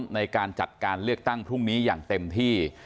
ในการจัดการเลือกตั้งพรุ่งนี้อย่างเต็มที่